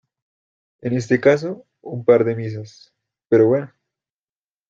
en este caso un par de misas, pero bueno...